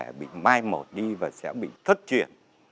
có thể bị mai một đi và sẽ bị thất truyền